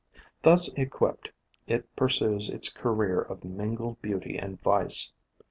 Thus equipped, it pursues its career of mingled beauty and vice.